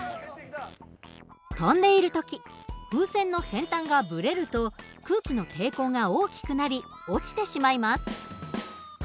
飛んでいる時風船の先端がブレると空気の抵抗が大きくなり落ちてしまいます。